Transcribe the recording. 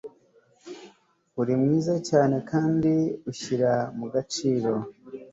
uri mwiza cyane kandi ushyira mu gaciro